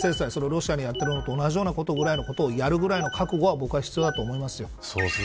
ロシアにやってるのと同じぐらいのことをやるぐらいの覚悟が必要だと思います。